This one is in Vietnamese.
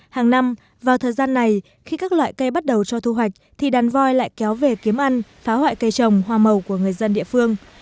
hàng năm vào thời gian này khi các loại cây bắt đầu cho thu hoạch thì đàn voi lại kéo về kiếm ăn phá hoại cây trồng hoa màu của người dân địa phương